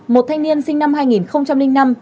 một thanh niên sinh năm hai nghìn năm